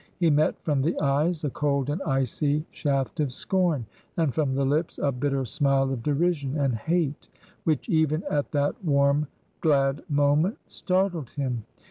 He met from the eyes a cold and icy shaft of scorn, and from the lips a bitter smile of derision and hate, which even at that warm glad moment startled him.